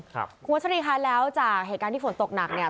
คุณวัชรีค่ะแล้วจากเหตุการณ์ที่ฝนตกหนักเนี่ย